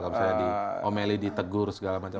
di omeli di tegur segala macam